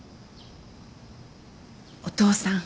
お父さん。